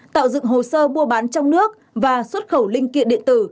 tạo dựng hồ sơ mua bán trong nước và xuất khẩu linh kiện điện tử